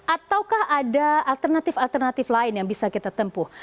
ataukah ada alternatif alternatif lain yang bisa kita tempuh